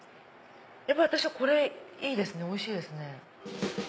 私はこれいいですねおいしいですね。